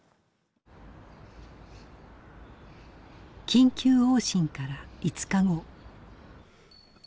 緊急往診から５日後。